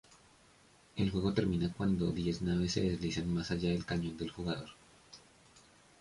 El juego termina cuando diez naves se deslizan más allá del cañón del jugador.